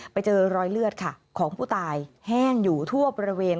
ไปเจอรอยเลือดค่ะของผู้ตายแห้งอยู่ทั่วบริเวณ